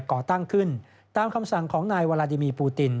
ก่อตั้งขึ้นตามคำสั่งของนายวาลาดิมีปูติน